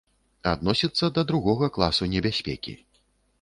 Адносіцца да другога класу небяспекі.